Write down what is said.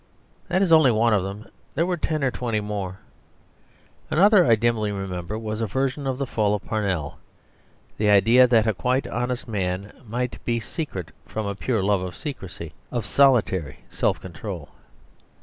That is only one of them; there were ten or twenty more. Another, I dimly remember, was a version of the fall of Parnell; the idea that a quite honest man might be secret from a pure love of secrecy, of solitary self control.